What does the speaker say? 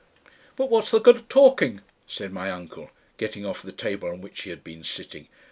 "But what's the good of talking?" said my uncle, getting off the table on which he had been sitting.